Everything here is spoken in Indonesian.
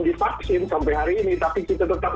divaksin sampai hari ini tapi kita tetap